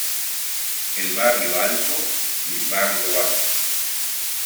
El barrio alto y el barrio bajo.